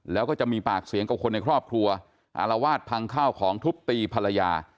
แล้วก็จะมีปากเสียงกับคนในครอบครัวอารวาสพังข้าวของทุบตีภรรยา